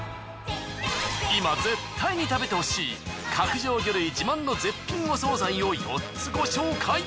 今絶対に食べてほしい角上魚類自慢の絶品お惣菜を４つご紹介。